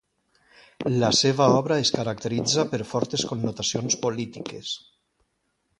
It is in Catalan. La seva obra es caracteritza per fortes connotacions polítiques.